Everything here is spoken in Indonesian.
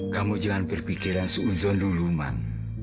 kamu jangan berpikiran seuzon duluman